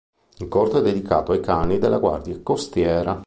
Il corto è dedicato ai cani della guardia costiera.